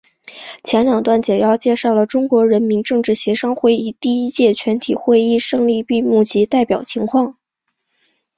前两段简要介绍了中国人民政治协商会议第一届全体会议胜利闭幕及代表情况。